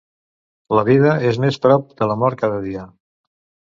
La vida és més prop de la mort cada dia.